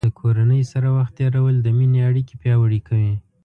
د کورنۍ سره وخت تیرول د مینې اړیکې پیاوړې کوي.